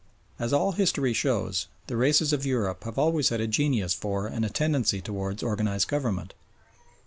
As all history shows, the races of Europe have always had a genius for and a tendency towards organised government.